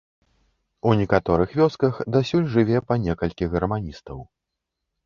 У некаторых вёсках дасюль жыве па некалькі гарманістаў.